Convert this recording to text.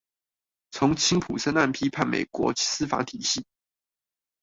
從辛普森案批判美國司法體系